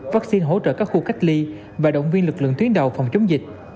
vaccine hỗ trợ các khu cách ly và động viên lực lượng tuyến đầu phòng chống dịch